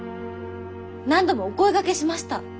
何度もお声がけしました。